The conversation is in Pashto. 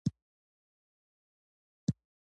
د بل ښځو ته په بد نظر ونه ګوري.